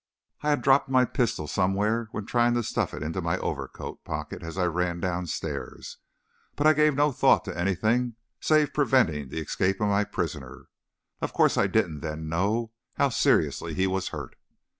I had dropped my pistol somewhere when trying to stuff it into my overcoat pocket as I ran downstairs. But I gave no thought to anything save preventing the escape of my prisoner. Of course, I didn't then know how seriously he was hurt.